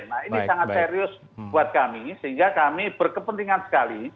nah ini sangat serius buat kami sehingga kami berkepentingan sekali